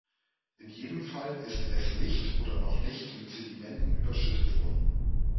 In jedem Fall ist es nicht oder noch nicht mit Sedimenten überschüttet worden.